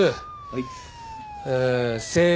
はい。